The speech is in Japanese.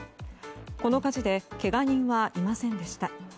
この火事でけが人はいませんでした。